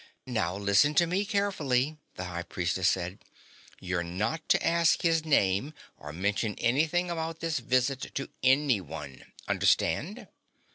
"Now listen to me carefully," the High Priestess said. "You're not to ask his name, or mention anything about this visit to anyone understand?"